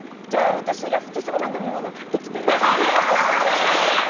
私が好きそうな飲み物買ってきてって。